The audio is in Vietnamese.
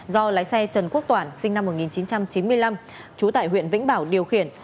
do lái xe trần quốc toản sinh năm một nghìn chín trăm chín mươi năm trú tại huyện vĩnh bảo điều khiển